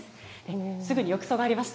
すぐに浴槽がありました。